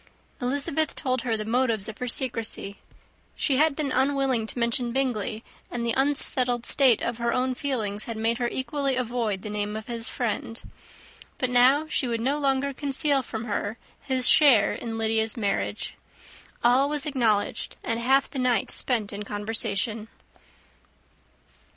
Elizabeth told her the motives of her secrecy. She had been unwilling to mention Bingley; and the unsettled state of her own feelings had made her equally avoid the name of his friend: but now she would no longer conceal from her his share in Lydia's marriage. All was acknowledged, and half the night spent in conversation.